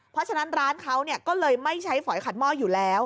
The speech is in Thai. เพราะฉะนั้นร้านเขาก็เลยไม่ใช้ฝอยขัดหม้ออยู่แล้ว